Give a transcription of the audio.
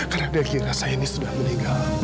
karena dia kira saya ini sudah meninggal